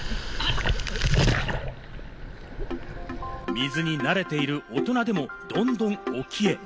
水に慣れている大人でもどんどん沖へ。